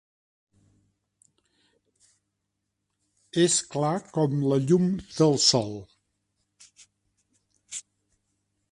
Es clar com la llum del sol